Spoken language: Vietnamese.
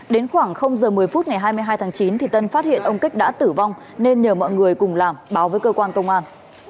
đến khoảng giờ một mươi phút ngày hai mươi hai tháng chín tân phát hiện ông kích đã tử vong nên nhờ mọi người cùng làm báo với cơ quan công an